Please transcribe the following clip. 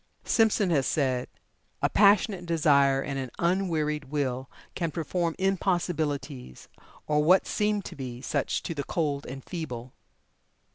Simpson has said: "A passionate desire and an unwearied will can perform impossibilities, or what seem to be such to the cold and feeble."